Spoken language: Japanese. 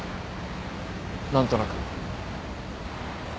何となく。